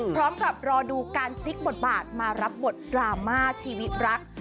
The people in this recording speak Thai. พร้อมกับรอดูการพลิกบทบาทมารับบทดราม่าชีวิตรัก